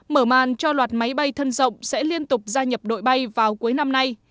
mở màn cho loạt máy bay thân rộng sẽ liên tục gia nhập đội bay vào cuối năm nay